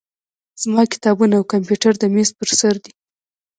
زما کتابونه او کمپیوټر د میز په سر دي.